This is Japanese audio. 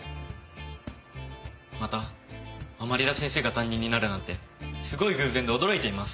また甘利田先生が担任になるなんてすごい偶然で驚いています。